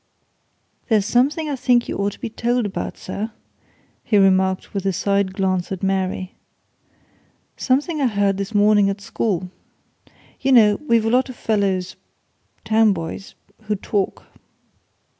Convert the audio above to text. "There's something I think you ought to be told about, sir," he remarked with a side glance at Mary. "Something I heard this morning at school. You know, we've a lot of fellows town boys who talk."